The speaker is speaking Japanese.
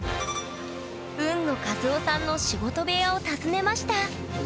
海野和男さんの仕事部屋を訪ねました